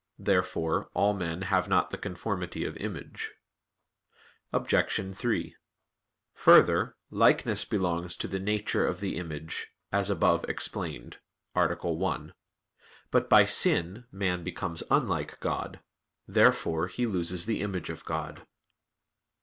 Therefore all men have not the conformity of image. Obj. 3: Further, likeness belongs to the nature of the image, as above explained (A. 1). But by sin man becomes unlike God. Therefore he loses the image of God.